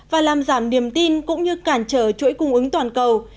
và làm giảm niềm tin cũng như cản trở chuỗi cung ứng toàn cầu